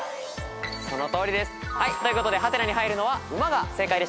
そのとおりです。ということで「？」に入るのは「ウマ」が正解でした。